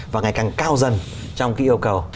và ngày càng cao dần trong cái yêu cầu